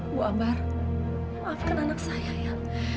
bu abar maafkan anak saya ya